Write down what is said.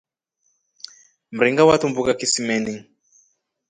Mringa watumbuka kisimeni.